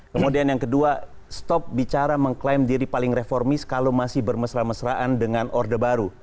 kemudian yang kedua stop bicara mengklaim diri paling reformis kalau masih bermesra mesraan dengan orde baru